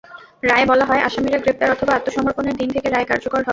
রায়ে বলা হয়, আসামিরা গ্রেপ্তার অথবা আত্মসমর্পণের দিন থেকে রায় কার্যকর হবে।